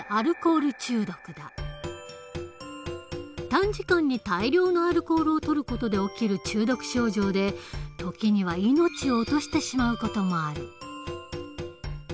短時間に大量のアルコールをとる事で起きる中毒症状で時には命を落としてしまう事もある。